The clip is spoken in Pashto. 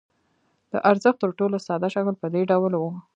د ارزښت تر ټولو ساده شکل په دې ډول وو